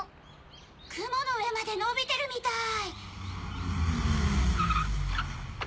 雲の上まで伸びてるみたい。